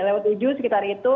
lewat tujuh sekitar itu